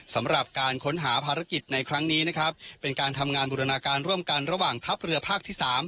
สำหรับการค้นหาภารกิจในครั้งนี้นะครับเป็นการทำงานบูรณาการร่วมกันระหว่างทัพเรือภาคที่๓